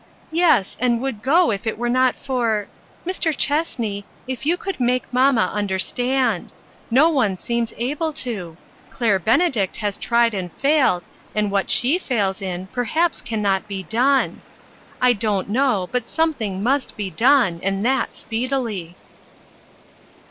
"Yes, and would go if it were not for Mr. Chessney, if you could make mamma understand. No one seems able to. Claire Benedict has tried and failed; and what she fails in, perhaps can not be done. I don't know, but something must be done, and that speedily."